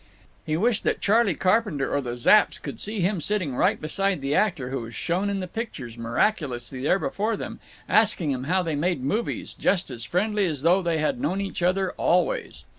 He wished that Charley Carpenter or the Zapps could see him sitting right beside an actor who was shown in the pictures miraculously there before them, asking him how they made movies, just as friendly as though they had known each other always.